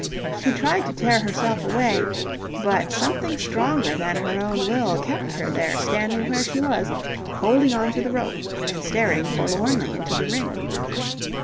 She tried to tear herself away, but something stronger than her own will kept her there standing where she was, holding on to the rope and staring forlornly into the ring.